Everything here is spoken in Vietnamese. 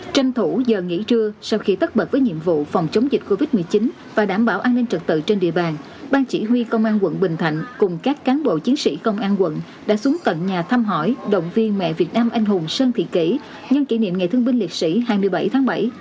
tranh thủ giờ nghỉ trưa sau khi tất bật với nhiệm vụ phòng chống dịch covid một mươi chín và đảm bảo an ninh trật tự trên địa bàn ban chỉ huy công an quận bình thạnh cùng các cán bộ chiến sĩ công an quận đã xuống tận nhà thăm hỏi động viên mẹ việt nam anh hùng sơn thị kỷ nhân kỷ niệm ngày thương binh liệt sĩ hai mươi bảy tháng bảy